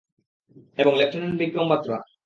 এবং লেফটেন্যান্ট বিক্রম বাতরা।